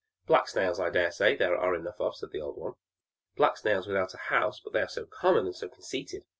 "Black snails, I dare say, there are enough of," said the old one. "Black snails without a house but they are so common, and so conceited.